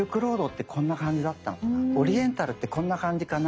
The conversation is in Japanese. オリエンタルってこんな感じかな？